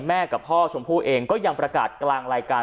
แม่กับพ่อชมพู่เองก็ยังประกาศกลางรายการ